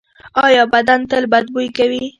ایا بدن تل بد بوی کوي؟